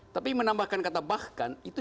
tapi menambahkan kata bahkan itu